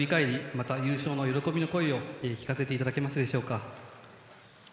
また、優勝の喜びの声を聞かせていただけますでしょうか。